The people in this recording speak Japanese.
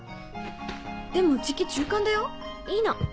でもじき中間だよ。いいの。